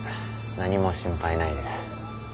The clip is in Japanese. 何も心配ないです。